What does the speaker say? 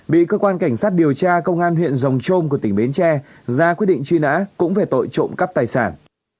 bị cơ quan cảnh sát điều tra công an huyện rồng trôm của tỉnh bến tre ra quyết định truy nã cũng về tội trộm cắp tài sản